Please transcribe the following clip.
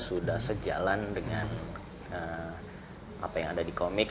sudah sejalan dengan apa yang ada di komik